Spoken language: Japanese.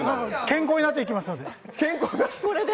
健康になっていきますので。